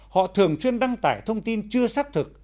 họ thường xuyên đăng tải thông tin chưa xác thực